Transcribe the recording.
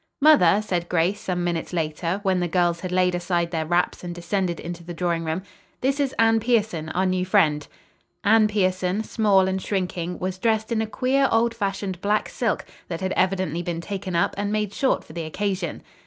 "Mother," said Grace some minutes later, when the girls had laid aside their wraps and descended into the drawing room, "this is Anne Pierson, our new friend." Anne Pierson, small and shrinking, was dressed in a queer, old fashioned black silk that had evidently been taken up and made short for the occasion. Mrs.